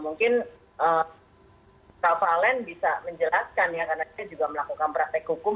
mungkin pak valen bisa menjelaskan ya karena kita juga melakukan praktek hukum